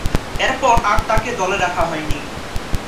এরপর আর তাকে দলে রাখা হয়নি।